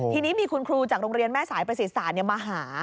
ทีนี้มีคุณครูจากโรงเรียนแม่สายประสิทศาสตร์มาหา